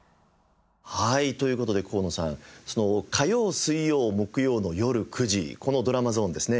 はいという事で河野さん火曜水曜木曜のよる９時このドラマゾーンですね。